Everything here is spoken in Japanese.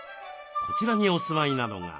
こちらにお住まいなのが。